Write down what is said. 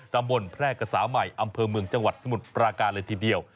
แพร่กษาใหม่อำเภอเมืองจังหวัดสมุทรปราการเลยทีเดียว